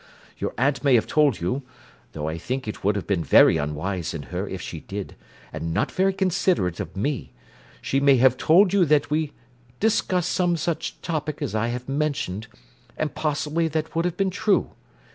Your aunt may have told you—though I think it would have been very unwise in her if she did, and not very considerate of me—she may have told you that we discussed some such topic as I have mentioned, and possibly that would have been true.